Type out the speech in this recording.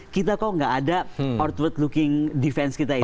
kita kok nggak ada outward looking defense kita